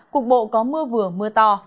cục bộ có mưa vừa mưa to